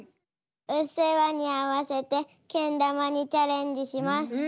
「うっせぇわ」に合わせてけん玉にチャレンジします。